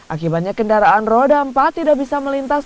akibatnya kendaraan roda empat tidak bisa melintas